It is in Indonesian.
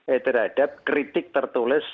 eh terhadap kritik tertulis